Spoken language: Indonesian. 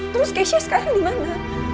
terus keisha sekarang gimana